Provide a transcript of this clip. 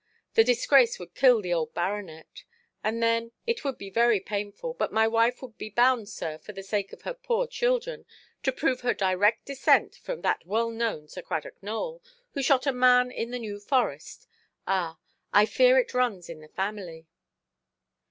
The disgrace would kill the old baronet. "And then, it would be very painful, but my wife would be bound, sir, for the sake of her poor children, to prove her direct descent from that well–known Sir Cradock Nowell, who shot a man in the New Forest. Ah, I fear it runs in the family".